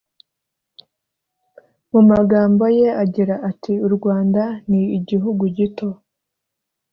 mumagambo ye agira ati u rwanda ni igihugu gito